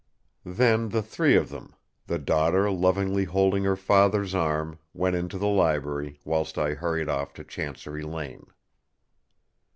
Then the three of them, the daughter lovingly holding her father's arm, went into the library, whilst I hurried off to Chancery Lane.